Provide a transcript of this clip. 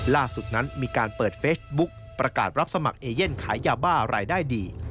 ล่าสุดนั้นมีการเปิดเฟซบุ๊กประกาศรับสมัครเอเย่นขายยาบ้ารายได้ดี